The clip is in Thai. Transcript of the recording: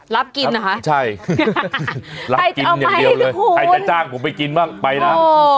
รับกินนะคะใช่รับกินอย่างเดียวเลยใครจะจ้างผมไปกินบ้างไปนะ